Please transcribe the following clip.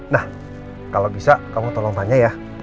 nah kalau bisa kamu tolong tanya ya